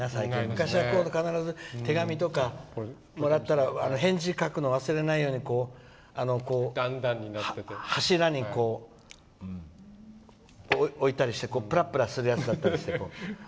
昔は、必ず手紙とかもらったら返事を書くのを忘れないように柱に置いたりしてぺらぺらするやつだったり。